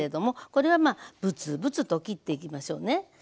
これはまあブツブツと切っていきましょうね。